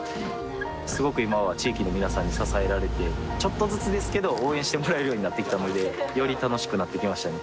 すごく今は地域の皆さんに支えられてちょっとずつですけど応援してもらえるようになってきたのでより楽しくなってきましたね